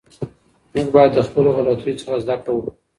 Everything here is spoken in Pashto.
موږ باید د خپلو غلطیو څخه زده کړه وکړو.